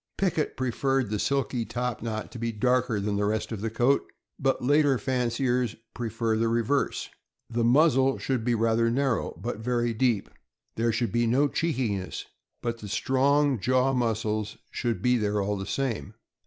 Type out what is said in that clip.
Pickett preferred the silky top knot to be darker than the rest of the coat, but later fanciers prefer the reverse. The muzzle should be rather narrow, but very deep. There should be no cheekiness, but the strong jaw muscles should be there all the same.